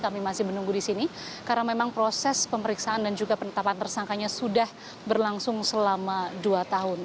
kami masih menunggu di sini karena memang proses pemeriksaan dan juga penetapan tersangkanya sudah berlangsung selama dua tahun